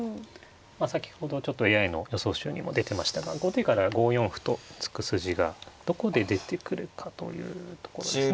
まあ先ほどちょっとＡＩの予想手にも出てましたが後手から５四歩と突く筋がどこで出てくるかというところですね。